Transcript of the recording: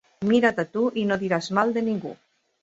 Mira't a tu i no diràs mal de ningú.